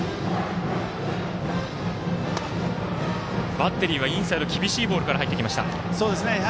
バッテリーはインサイド厳しいボールから入ってきました。